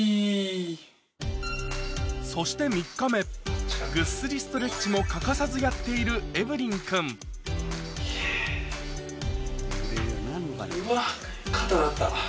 そしてぐっすりストレッチも欠かさずやっているエブリン君うわ肩鳴った。